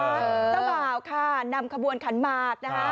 เจ้าบ่าวค่ะนำขบวนขันมาก